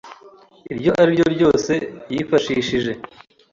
iryo ari ryo ryose yifashishije